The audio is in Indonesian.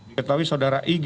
diketahui saudara ig